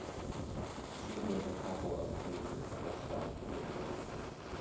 She was a couple of painter Gustav Klimt.